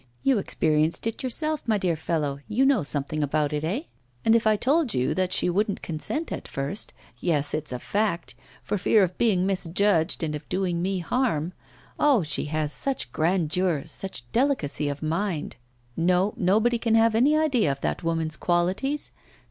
You experienced it yourself, my dear fellow; you know something about it, eh? And if I told you that she wouldn't consent at first yes, it's a fact for fear of being misjudged and of doing me harm. Oh! she has such grandeur, such delicacy of mind! No, nobody can have an idea of that woman's qualities.